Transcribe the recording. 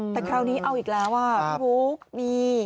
แต่คราวนี้เอาอีกแล้วพระภูมิ